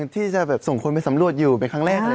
ที่จะส่งคนไปสำรวจอยู่เป็นครั้งแรก